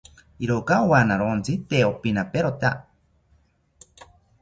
Iroka owanawontzi tee opinaperota